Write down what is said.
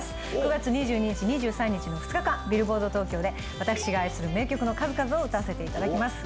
９月２２日、２３日の２日間、ビルボード東京で私が愛する名曲の数々を歌わせていただきます。